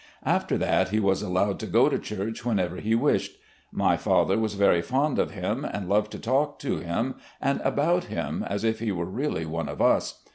After that he was allowed to go to church whenever he wished. My father was very fond of him, and loved to talk to him and about him as if he were really one of us.